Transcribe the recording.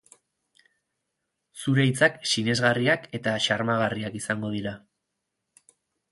Zure hitzak sinesgarriak eta xarmagarriak izango dira.